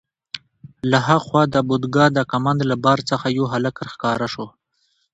له ها خوا د پودګا د کمند له بار څخه یو هلک راښکاره شو.